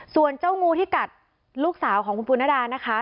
ส่วนเจ้างูที่กัดลูกสาวของคุณปุณดานะคะ